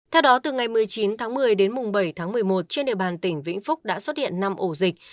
theo đó từ ngày một mươi chín tháng một mươi đến bảy tháng một mươi một trên địa bàn tỉnh vĩnh phúc đã xuất hiện năm ổ dịch